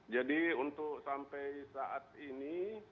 jadi untuk sampai saat ini